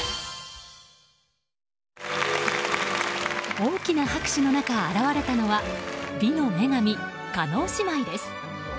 大きな拍手の中現れたのは美の女神、叶姉妹です。